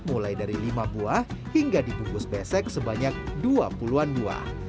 mulai dari lima buah hingga dibungkus besek sebanyak dua puluh an buah